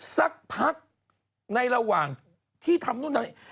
สักพักในระหว่างที่ทำนู่นทำนี่